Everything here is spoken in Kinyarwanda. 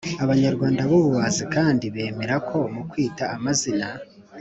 Abanyarwanda b ubu bazi kandi bemera ko mu kwita amazina